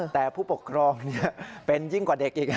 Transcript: แต่ผู้ปกครองเป็นยิ่งกว่าเด็กอีก